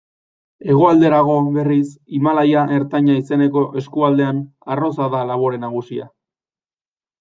Hegoalderago, berriz, Himalaia ertaina izeneko eskualdean, arroza da labore nagusia.